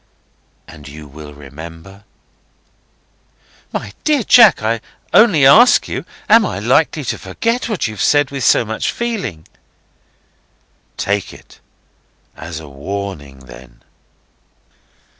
"And you will remember?" "My dear Jack, I only ask you, am I likely to forget what you have said with so much feeling?" "Take it as a warning, then."